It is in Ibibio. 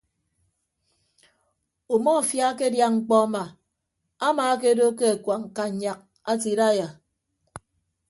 Umọfia akedia mkpọ ama amaakedo ke akuañ kannyak ate idaiya.